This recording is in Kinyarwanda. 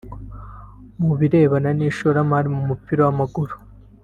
Ku birebana n’ishoramari mu mupira w’amaguru